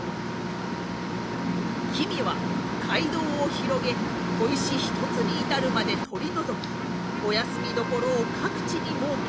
君は街道を広げ小石一つに至るまで取り除きお休みどころを各地に設け